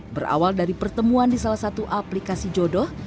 berawal dari pertemuan di salah satu aplikasi jodoh